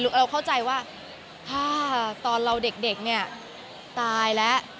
เราเข้าใจว่าตอนเราเด็กจะตายและ